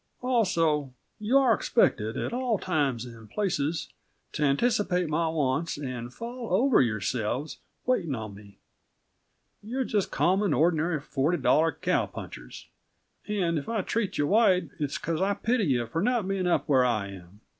Also, you are expected, at all times and places, to anticipate my wants and fall over yourselves waiting on me. You're just common, ordinary, forty dollar cow punchers, and if I treat yuh white, it's because I pity yuh for not being up where I am.